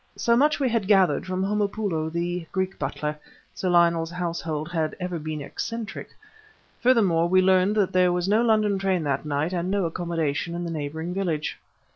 So much we had gathered from Homopoulo, the Greek butler (Sir Lionel's household had ever been eccentric). Furthermore, we learned that there was no London train that night and no accommodation in the neighboring village.